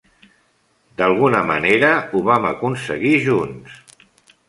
D'alguna manera ho vam aconseguir junts.